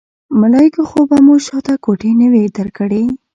ملایکو خو به مو شاته ګوتې نه وي درکړې.